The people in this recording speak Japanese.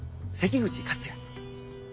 関口勝也。